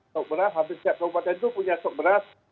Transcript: sok beras hampir setiap kabupaten itu punya sok beras